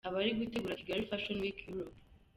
Abari gutegura Kigali Fashion Week Europe .